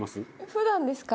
普段ですか？